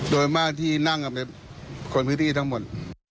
โดยมากที่นั่งกันเป็นคนพื้นที่ทั้งหมด